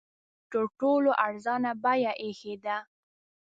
تر ټولو ارزانه بیه ایښې ده.